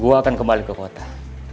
gue akan kembali ke kota